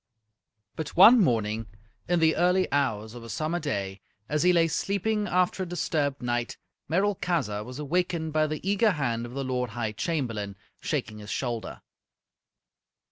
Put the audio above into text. But one morning, in the early hours of a summer day, as he lay sleeping after a disturbed night, Merolchazzar was awakened by the eager hand of the Lord High Chamberlain, shaking his shoulder.